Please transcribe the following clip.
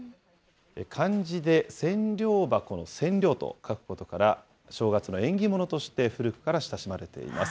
漢字で千両箱の千両と書くことから、正月の縁起物として古くから親しまれています。